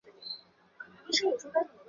出身于奈良县。